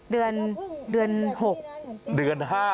เดือน๖เดือน๕